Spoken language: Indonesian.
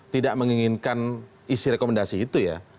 tidak menginginkan isi rekomendasi itu ya